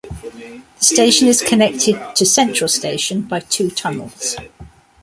The station is connected to Central Station by two tunnels.